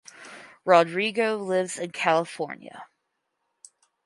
Rodrigo lives in California.